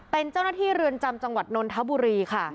เป็นเจ้าหน้าที่เรือนจำจังหวัดนนทบุรีค่ะ